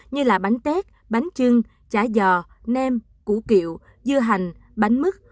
như là bánh tét bánh trưng chả giò nem củ kiệu dưa hành bánh mứt